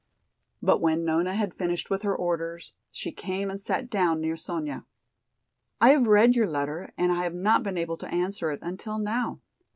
But when Nona had finished with her orders she came and sat down near Sonya. "I have read your letter and I have not been able to answer it until now.